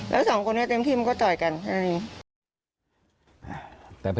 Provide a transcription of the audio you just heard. แล้วสองคนนี้เต็มที่มันก็ต่อยกันแค่นี้